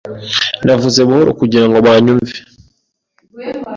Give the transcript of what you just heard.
Navuze buhoro kugira ngo banyumve.